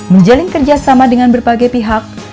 menjalin kerjasama dengan berbagai pihak